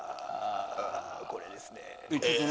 これですね。